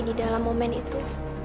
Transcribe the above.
di dalam momen itu